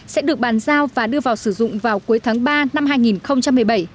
sẽ được bàn giao và đưa vào sử dụng vào cuối tháng ba năm hai nghìn một mươi bảy